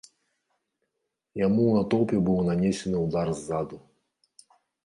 Яму у натоўпе быў нанесены ўдар ззаду.